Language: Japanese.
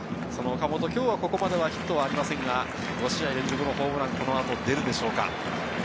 岡本、ここまでヒットはありませんが、５試合連続のホームランが出るでしょうか？